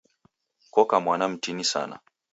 Koka mwana mtini sana.